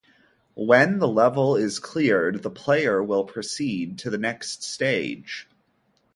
When the level is cleared, the player will proceed to the next stage.